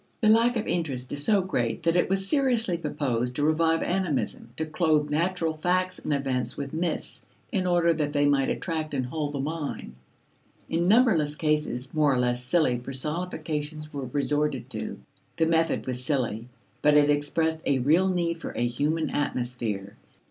The lack of interest is so great that it was seriously proposed to revive animism, to clothe natural facts and events with myths in order that they might attract and hold the mind. In numberless cases, more or less silly personifications were resorted to. The method was silly, but it expressed a real need for a human atmosphere.